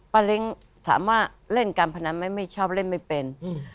เล้งถามว่าเล่นการพนันไหมไม่ชอบเล่นไม่เป็น